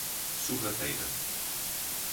Sorrateira